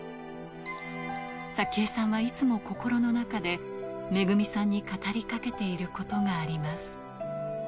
早紀江さんはいつも心の中で、めぐみさんに語りかけていることがあります。